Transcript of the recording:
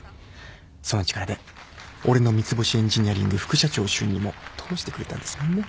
その力で俺の三ツ星エンジニアリング副社長就任も通してくれたんですもんね。